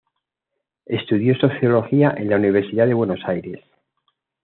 Estudió sociología en la Universidad de Buenos Aires.